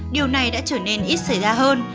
điều này đã trở nên ít xảy ra hơn